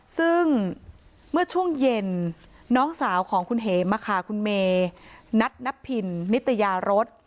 ซึ่งเมื่อช่วงเย็นน้องสาวของคุณเห็มคุณเมนัทนับพินนิตยารส